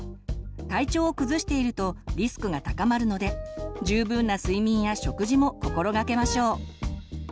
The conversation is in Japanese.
体調を崩しているとリスクが高まるので十分な睡眠や食事も心がけましょう。